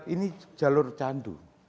ini jalur candu